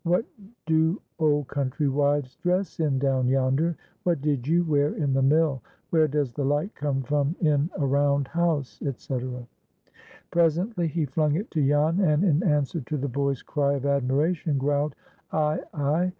"What do old country wives dress in down yonder?—What did you wear in the mill?—Where does the light come from in a round house," etc. Presently he flung it to Jan, and, in answer to the boy's cry of admiration, growled, "Ay, ay.